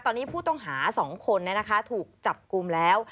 ตอนนี้ผู้ต้องหาสองคนเนี้ยนะคะถูกจับกลุ่มแล้ว